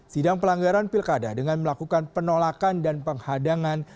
sidang pelanggaran pilkada dengan melakukan penolakan dan penghadangan